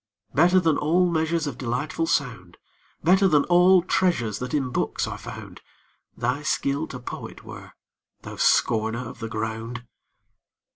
Better than all measures Of delightful sound, Better than all treasures That in books are found, Thy skill to poet were, thou scorner of the ground!